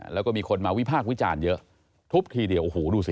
แล้วก็มีคนมาวิพากษ์วิจารณ์เยอะทุบทีเดียวโอ้โหดูสิ